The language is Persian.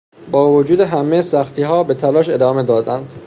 با وجود همه سختیها به تلاش ادامه دادند.